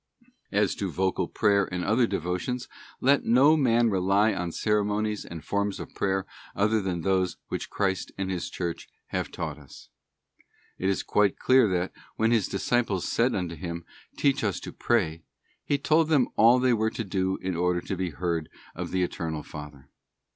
As to vocal prayer and other devotions, let no man rely on ceremonies and forms of prayer other than those which Christ and His Church have taught us. It is quite clear that, when His disciples said unto Him, ' Teach us to pray,' t He told them all they were to do in order to be heard of the Eternal Father.